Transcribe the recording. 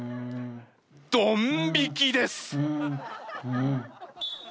ドン引きです！